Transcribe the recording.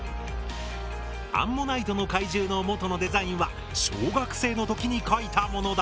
アンモナイトの怪獣の元のデザインは小学生の時に描いたものだ。